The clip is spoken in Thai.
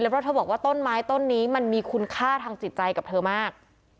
เพราะเธอบอกว่าต้นไม้ต้นนี้มันมีคุณค่าทางจิตใจกับเธอมาก